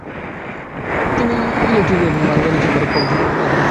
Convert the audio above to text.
তিনি 'Illustrated India' এবং Marwari chamber of কমার্সের সহকারী সম্পাদক ছিলেন।